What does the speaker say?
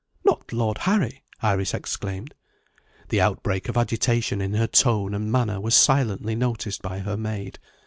"Not Lord Harry?" Iris exclaimed. The outbreak of agitation in her tone and manner was silently noticed by her maid.